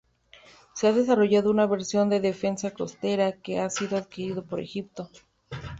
Se ha desarrollado una versión de defensa costera, que ha sido adquirido por Egipto.